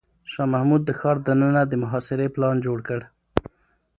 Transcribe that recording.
شاه محمود د ښار دننه د محاصرې پلان جوړ کړ.